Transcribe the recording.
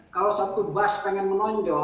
kalau satu bus pengen menonjol